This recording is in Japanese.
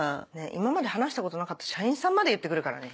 今まで話したことなかった社員さんまで言ってくるからね。